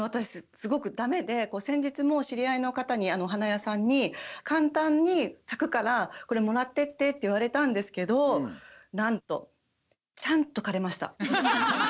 すごく駄目で先日も知り合いの方にお花屋さんに「簡単に咲くからこれもらってって」って言われたんですけどなんとちゃんと枯れました。